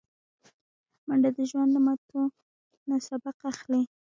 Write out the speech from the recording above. منډه د ژوند له ماتو نه سبق اخلي